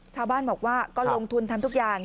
ชาวบ้านบอกว่าก็ลงทุนทำทุกอย่าง